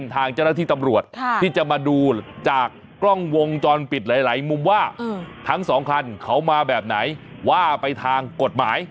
ทั้ง๒ท่านเค้ามาแบบไหนว่าไปทางกฎหมาย